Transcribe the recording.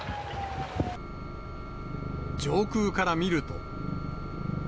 上空から見ると。